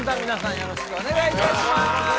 よろしくお願いします